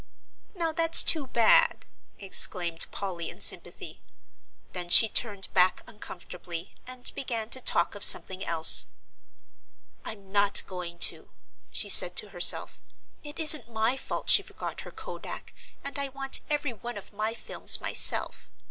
"Now that's too bad!" exclaimed Polly in sympathy. Then she turned back uncomfortably, and began to talk of something else. "I'm not going to," she said to herself; "it isn't my fault she forgot her kodak, and I want every one of my films myself.